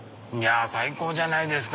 最高じゃないですか